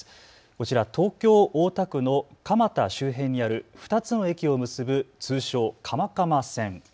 こちら東京大田区の蒲田周辺にある２つの駅を結ぶ通称、蒲蒲線。